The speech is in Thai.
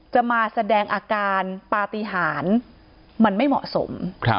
จะมาแสดงอาการปฏิหารมันไม่เหมาะสม